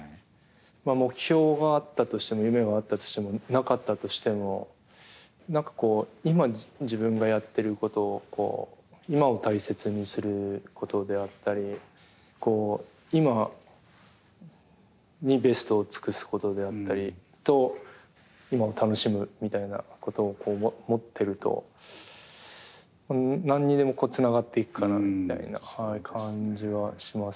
目標があったとしても夢があったとしてもなかったとしても何か今自分がやってることを今を大切にすることであったり今にベストを尽くすことであったりと今を楽しむみたいなことを持ってると何にでもつながっていくかなみたいな感じはしますけど。